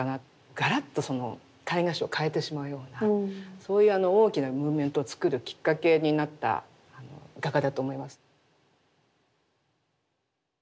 ガラッとその絵画史を変えてしまうようなそういう大きなムーブメントをつくるきっかけになった画家だと思いますね。